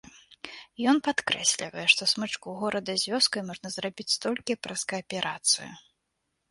Ён падкрэслівае, што смычку горада з вёскай можна зрабіць толькі праз кааперацыю.